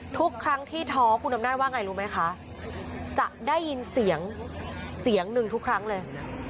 ทุกครั้งที่ท้อคุณอำนาจว่าไงรู้ไหมคะจะได้ยินเสียงเสียงหนึ่งทุกครั้งเลย